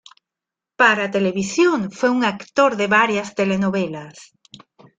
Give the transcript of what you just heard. Para televisión fue un actor de varias telenovelas.